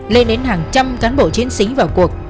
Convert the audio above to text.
lên đến hàng trăm cán bộ chiến sĩ vào cuộc